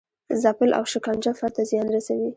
ځپل او شکنجه فرد ته زیان رسوي.